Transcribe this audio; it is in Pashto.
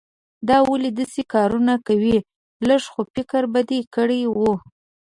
دا ولې داسې کارونه کوې؟ لږ خو فکر به دې کړای وو.